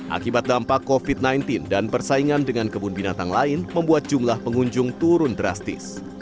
akibat dampak covid sembilan belas dan persaingan dengan kebun binatang lain membuat jumlah pengunjung turun drastis